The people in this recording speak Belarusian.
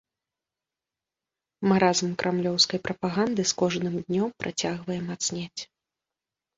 Маразм крамлёўскай прапаганды з кожным днём працягвае мацнець.